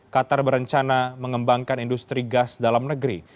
qatar berencana mengembangkan industri gas dalam negeri